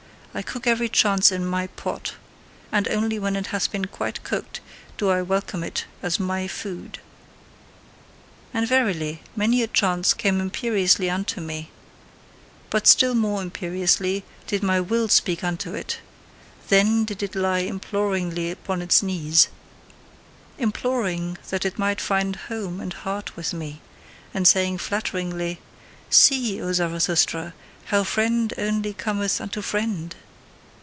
I cook every chance in MY pot. And only when it hath been quite cooked do I welcome it as MY food. And verily, many a chance came imperiously unto me: but still more imperiously did my WILL speak unto it, then did it lie imploringly upon its knees Imploring that it might find home and heart with me, and saying flatteringly: "See, O Zarathustra, how friend only cometh unto friend!"